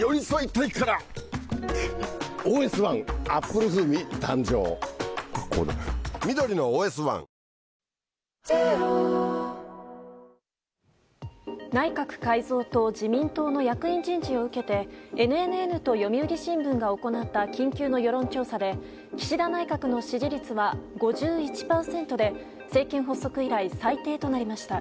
ピンチを切り抜けた山崎は内閣改造と自民党の役員人事を受けてＮＮＮと読売新聞が行った緊急の世論調査で岸田内閣の支持率は５１％で政権発足以来、最低となりました。